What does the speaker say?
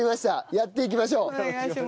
やっていきましょう。